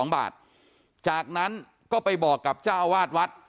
๓๑๗๐๒บาทจากนั้นก็ไปบอกกับเจ้าวาทวัด